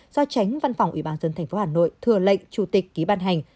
do tránh văn phòng ủy ban dân thành phố hà nội thừa lệnh chủ tịch ký ban hành